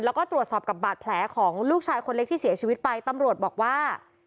แล้วก็ตรวจสอบกับบาดแผลของลูกชายคนเล็กที่เสียชีวิตไปตำรวจบอกว่า